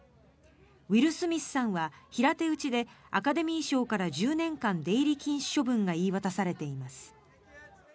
ウィル・スミスさんは平手打ちでアカデミー賞から１０年間出入り禁止処分が言い渡されています。